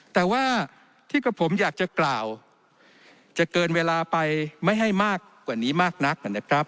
แต่ว่าที่กับผมอยากจะกล่าวจะเกินเวลาไปไม่ให้มากกว่านี้มากนักนะครับ